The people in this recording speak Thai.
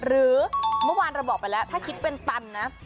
หรือเมื่อวานเราบอกไปแล้วถ้าคิดเป็นตันนะ